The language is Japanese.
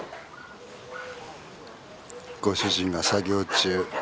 ご主人が作業中。